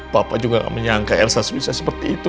bapak juga gak menyangka elsa bisa seperti itu